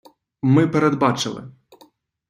ми передбачили.